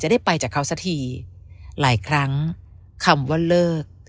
ได้ไปจากเขาสักทีหลายครั้งคำว่าเลิก